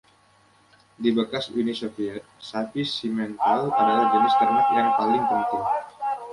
Di bekas Uni Soviet, sapi Simmental adalah jenis ternak yang paling penting.